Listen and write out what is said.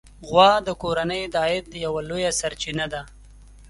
غوا د کورنۍ د عاید یوه لویه سرچینه ده.